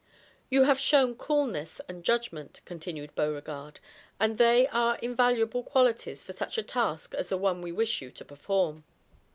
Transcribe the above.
"You have shown coolness and judgment," continued Beauregard, "and they are invaluable qualities for such a task as the one we wish you to perform."